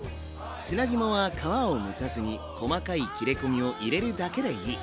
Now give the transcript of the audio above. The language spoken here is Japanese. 砂肝は皮をむかずに細かい切れ込みを入れるだけでいい。